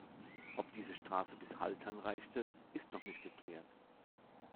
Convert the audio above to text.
Ob diese Straße bis Haltern reichte, ist noch nicht geklärt.